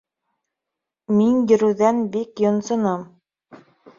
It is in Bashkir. Мин йөрөүҙән бик йонсоном